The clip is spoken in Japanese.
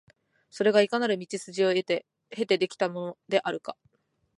それがいかなる道筋を経て出来てきたものであるか、